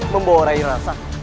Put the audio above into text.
membawa rai rara santak